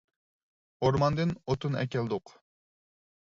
ئورماندىن ئوتۇن ئەكەلدۇق.